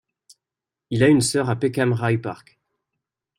Il a une soeur à Peckham Rye Park.